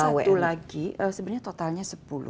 ada satu lagi sebenarnya totalnya sepuluh